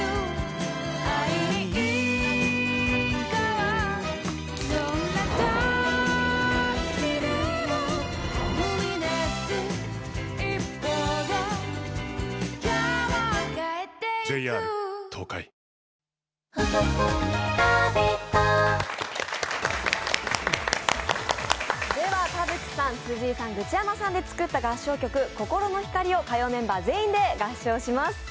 「バナナサンド」でお会いした方が田渕さん、辻井さん、グチヤマさんで作った合唱曲、「心の光」を火曜メンバー全員で合唱します。